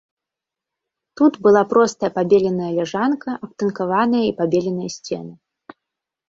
Тут была простая пабеленая ляжанка, абтынкаваныя і пабеленыя сцены.